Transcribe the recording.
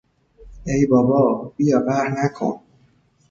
ای بابا - بیا قهر نکن!